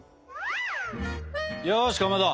よしかまど